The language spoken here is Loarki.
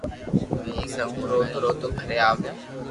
پسو ھون روتو روتو گھري آوتو